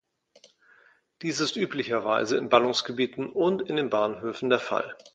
Dies ist üblicherweise in Ballungsgebieten und in den Bahnhöfen der Fall.